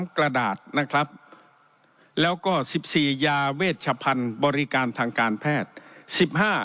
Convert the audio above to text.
๑๓กระดาษแล้วก็๑๔ยาเวชพันธุ์บริการทางการแพทย์